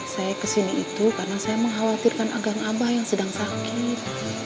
saya kesini itu karena saya mengkhawatirkan agar abah yang sedang sakit